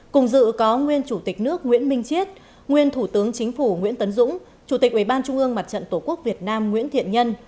cùng dự có nguyên chủ tịch nước nguyễn minh chiết nguyên thủ tướng chính phủ nguyễn tấn dũng chủ tịch ủy ban trung ương mặt trận tổ quốc việt nam nguyễn thiện nhân